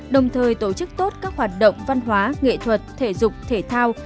đồng thời tổ chức tốt các hoạt động văn hóa nghệ thuật thể dục thể thao